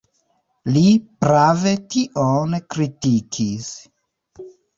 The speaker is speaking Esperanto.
Li prave tion kritikis.